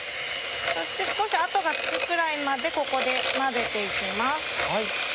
そして少し跡がつくくらいまでここで混ぜて行きます。